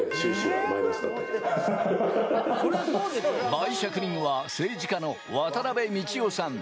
媒酌人は政治家の渡辺美智雄さん。